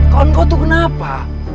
kawan kau tuh kenapa